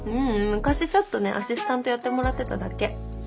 昔ちょっとねアシスタントやってもらってただけ。